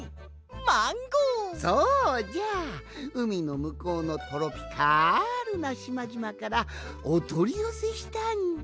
そうじゃうみのむこうのトロピカルなしまじまからおとりよせしたんじゃ。